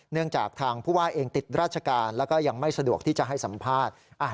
เนื่องจากทางผู้ว่าเองติดราชการแล้วก็ยังไม่สะดวกที่จะให้สัมภาษณ์